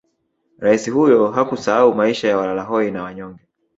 Raisi huyo hakusahau maisha ya walalahoi na wanyonge